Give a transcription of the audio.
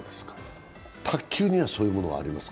卓球にはそういうものがありますか？